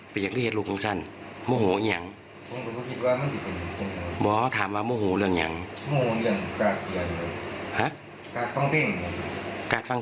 ผมไม่ได้บอกว่ามันเกรกคืนไปมันร้อยแจงจริง